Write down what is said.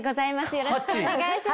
よろしくお願いします。